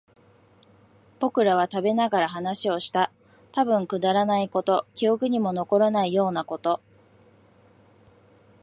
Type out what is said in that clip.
僕らは食べながら話をした。たぶんくだらないこと、記憶にも残らないようなこと。